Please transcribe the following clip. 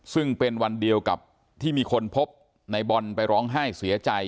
ซึ่งเป็นวันเดียวกับที่มีคนพบในบอลไปร้องไห้เสียใจ